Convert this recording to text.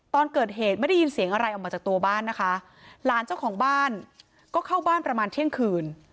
ตอนเกิดเหตุไม่ได้ยินเสียงอะไรออกมาจากตัวบ้านนะคะหลานเจ้าของบ้านก็เข้าบ้านประมาณเที่ยงคืน